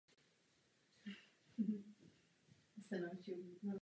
Na tuto variantu nebyl v Kladně nikdo připraven.